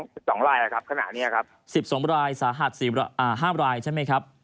สิบสองรายแล้วครับขณะเนี้ยครับสิบสองรายสาหัสสี่อ่าห้ามรายใช่ไหมครับ